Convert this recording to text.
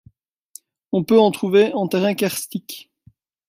On peut en trouver en terrain karstique.